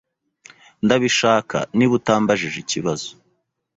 Ndabishaka niba utambajije ikibazo.